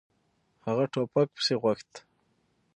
هغه ټوپک پسې غوښت.